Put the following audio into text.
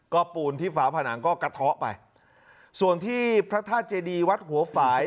ก็ปูนที่ฝาผนังก็กระเทาะไปส่วนที่พระธาตุเจดีวัดหัวฝ่าย